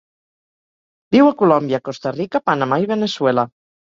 Viu a Colòmbia, Costa Rica, Panamà i Veneçuela.